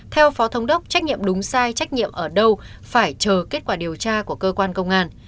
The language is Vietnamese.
theo phó thống đốc trách nhiệm đúng sai trách nhiệm ở đâu phải chờ kết quả điều tra của cơ quan công an